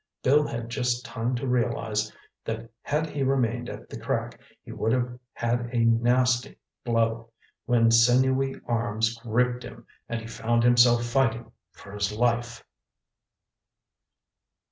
Bill had just time to realize that had he remained at the crack he would have had a nasty blow, when sinewy arms gripped him and he found himself fighting for his life.